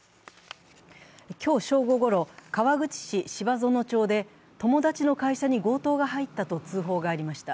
今日正午ごろ、川口市芝園町で友達の会社に強盗が入ったと通報がありました